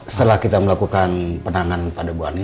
setelah kita melakukan penanganan pada bu ani